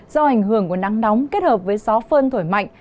do ảnh hưởng của nắng nóng kết hợp với gió phơn thổi mạnh